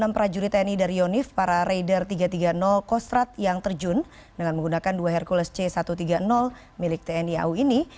enam prajurit tni dari yonif para raider tiga ratus tiga puluh kostrat yang terjun dengan menggunakan dua hercules c satu ratus tiga puluh milik tni au ini